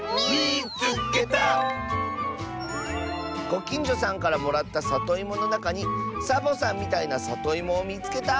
「ごきんじょさんからもらったさといものなかにサボさんみたいなさといもをみつけた！」。